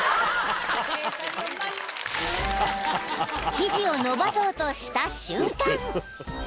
［生地を延ばそうとした瞬間］